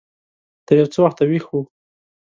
تر يو څه وخته ويښ و.